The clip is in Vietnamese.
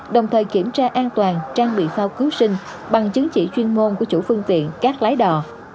đồng thời kiểm tra an toàn trang bị phao cứu sinh bằng chứng chỉ chuyên môn của chủ phương tiện các lái đò